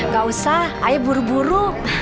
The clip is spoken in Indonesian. gak usah ayah buru buru